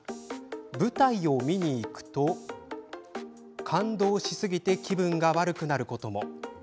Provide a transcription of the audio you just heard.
舞台を見に行くと感動しすぎて気分が悪くなることも。